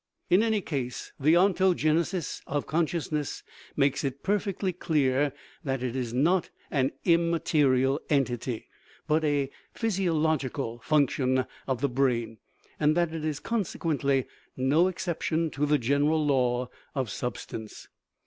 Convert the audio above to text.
In any case, the ontogenesis of consciousness makes it perfectly clear that it is not an " immaterial entity," but a physiological function of the brain, and that it is, consequently, no exception to the general law of substance.